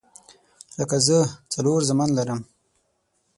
لکه زه څلور زامن لرم